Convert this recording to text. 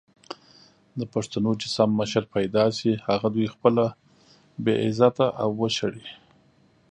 د پښتنو چې سم مشر پېدا سي هغه دوي خپله بې عزته او وشړي!